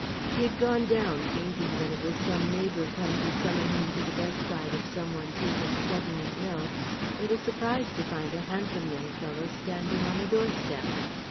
He had gone down, thinking that it was some neighbour come to summon him to the bedside of some one taken suddenly ill, and was surprised to find a handsome young fellow standing on the doorstep.